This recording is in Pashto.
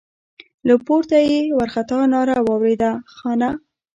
له پورته يې وارخطا ناره واورېده: خانه!